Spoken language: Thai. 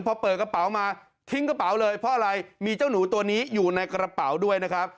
พอเปิดกระเป๋ามาทิ้งกระเป๋าเลยเพราะอะไรมีเจ้าหนูตัวนี้อยู่ในกระเป๋าด้วยนะครับ